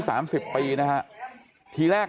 อายุ๓๐ปีนะครับทีแรก